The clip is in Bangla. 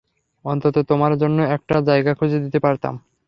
অন্তত তোমার জন্য একটা জায়গা খুজে দিতে পারতাম!